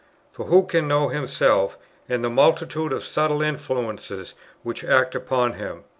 For who can know himself, and the multitude of subtle influences which act upon him?